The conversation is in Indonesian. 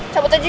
cabut aja yuk